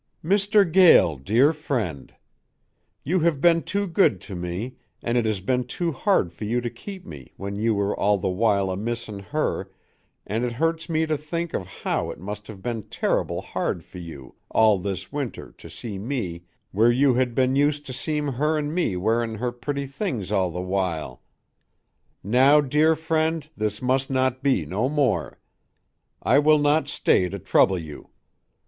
Mister Gael, dere frend, You have ben too good to me an it has ben too hard for you to keep me when you were all the wile amissin her an it hurts me to think of how it must have ben terrible hard for you all this winter to see me where you had ben ust to seem her an me wearin her pretty things all the wile. Now dere frend this must not be no more. I will not stay to trouble you.